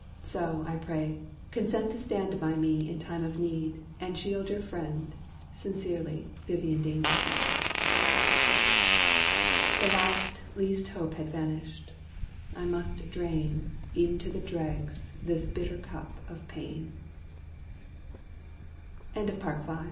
So, I pray, consent To stand by me in time of need, and shield Your friend sincerely, Vivian Dangerfield." The last least hope had vanished; I must drain, E'en to the dregs, this bitter cup of pain. _PART VI.